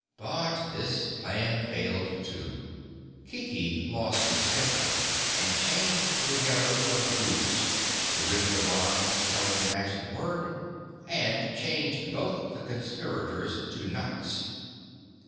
But this plan failed, too. Kiki lost his temper and changed Ruggedo to a goose, the Wizard of Oz discovered the magic word and changed both the conspirators to nuts.